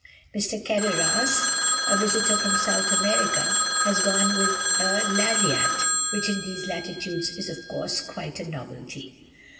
Mr. Carrerras, a visitor from South America, has gone out with a lariat, which in these latitudes is, of course, quite a novelty.